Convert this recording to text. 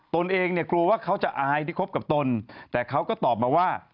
ตนเองเนี่ยกลัวว่าเขาจะอายที่คบกับตนแต่เขาก็ตอบมาว่า